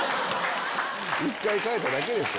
１回変えただけでしょ。